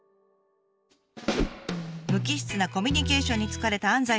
無機質なコミュニケーションに疲れた安西さん。